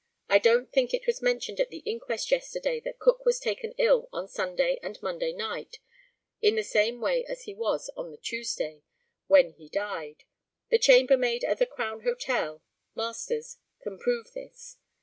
I don't think it was mentioned at the inquest yesterday that Cook was taken ill on Sunday and Monday night, in the same way as he was on the Tuesday, when he died. The chambermaid at the Crown Hotel (Masters's) can prove this.